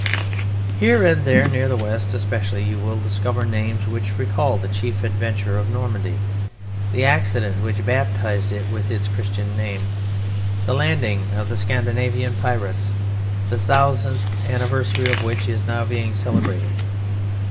Here and there, near the west especially, you will discover names which recall the chief adventure of Normandy, the accident which baptized it with its Christian name, the landing of the Scandinavian pirates, the thousandth anniversary of which is now being celebrated.